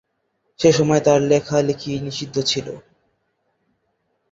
সেসময় তার লেখা-লেখি নিষিদ্ধ ছিল।